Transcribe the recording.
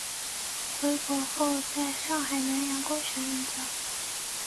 回国后在上海南洋公学任教。